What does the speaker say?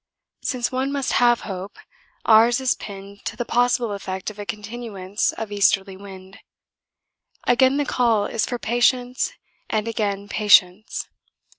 Since one must have hope, ours is pinned to the possible effect of a continuance of easterly wind. Again the call is for patience and again patience.